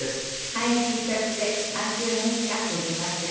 俳人として３０年近くご活躍。